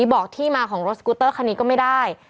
บอกที่มาของรถสกูเตอร์คันนี้ก็ไม่ได้